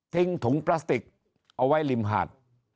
ถุงพลาสติกเอาไว้ริมหาด